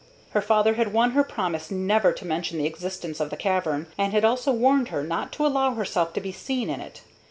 Her father had won her promise never to mention the existence of the cavern, and had also warned her not to allow herself to be seen in it.